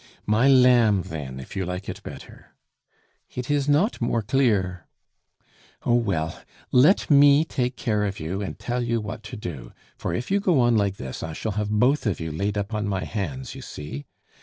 "My lamb, then, if you like it better." "It is not more clear." "Oh, well, let me take care of you and tell you what to do; for if you go on like this, I shall have both of you laid up on my hands, you see.